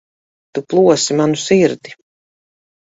Tu plosi manu sirdi.